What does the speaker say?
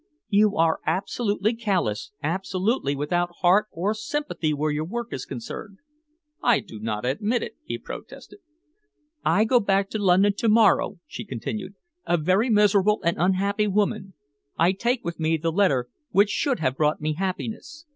"You are absolutely callous, absolutely without heart or sympathy where your work is concerned." "I do not admit it," he protested. "I go back to London to morrow," she continued, "a very miserable and unhappy woman. I take with me the letter which should have brought me happiness.